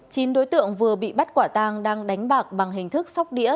chín đối tượng vừa bị bắt quả tang đang đánh bạc bằng hình thức sóc đĩa